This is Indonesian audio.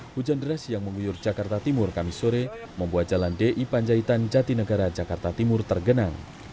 hujan deras yang mengguyur jakarta timur kami sore membuat jalan di panjaitan jatinegara jakarta timur tergenang